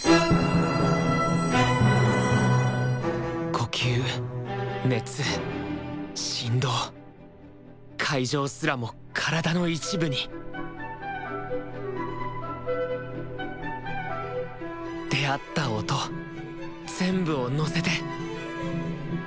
呼吸熱振動会場すらも体の一部に出会った音全部を乗せて。